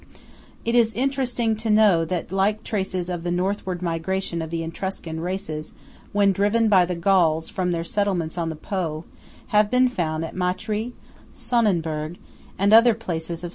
It is interesting to know that like traces of the Northward migration of the Etruscan races when driven by the Gauls from their settlements on the Po, have been found at Matrey, Sonnenburg, and other places of S.